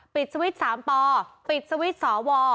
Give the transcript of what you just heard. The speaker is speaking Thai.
ปิดสวิตช์๓ปปิดสวิตช์สว